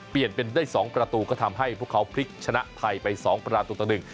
เปลี่ยนเป็นได้สองประตูก็ทำให้พวกเขาพลิกชนะไทยไปสองประตูต่อหนึ่ง